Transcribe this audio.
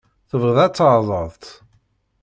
Tebɣiḍ ad tɛerḍeḍ-t?